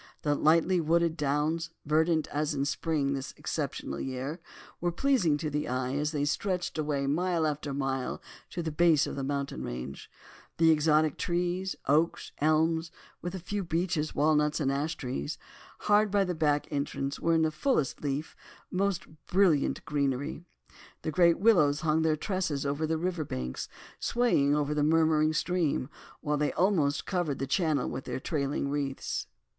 The lightly wooded downs, verdant as in spring in this exceptional year, were pleasing to the eye as they stretched away mile after mile to the base of the mountain range. The exotic trees, oaks and elms, with a few beeches, walnuts, and an ash tree, hard by the back entrance were in fullest leaf, most brilliant greenery. The great willows hung their tresses over the river bank, swaying over the murmuring stream, while they almost covered the channel with their trailing wreaths.